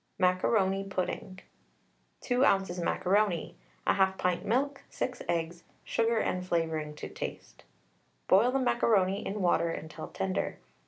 MACARONI PUDDING. 2 oz. macaroni, 1/2 pint milk, 6 eggs, sugar and flavouring to taste. Boil the macaroni in water until tender.